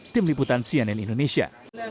tim liputan cnn indonesia